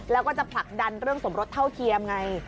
แล้วก็จะผลักดันเรื่องสมรสเท่าเทียมไง